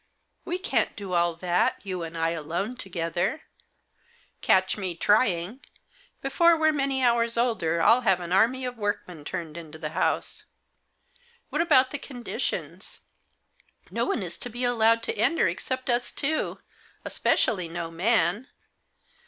" We can't do all that, you and I alone together.'* " Catch me trying ! Before we're many hours older I'll have an army of workmen turned into the house." "What about the conditions? No one is to be allowed to enter except us two, especially no man."